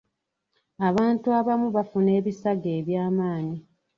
Abantu abamu bafuna ebisago by'amaanyi.